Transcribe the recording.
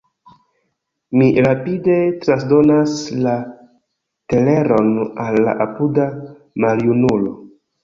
Mi rapide transdonas la teleron al la apuda maljunulo.